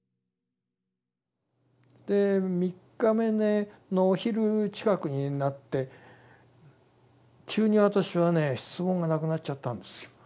で３日目のお昼近くになって急に私はね質問がなくなっちゃったんですよ。